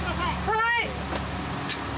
はい！